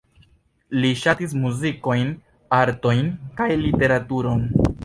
Li ŝatis la muzikojn, artojn kaj literaturon.